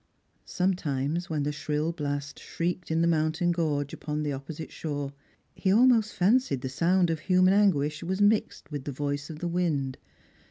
Sometimes, when the shrill blast shrieked in the moun tain gorge upon the opposite shore, he almost fancied the sound of human anguish was mixed with the voice of the wind.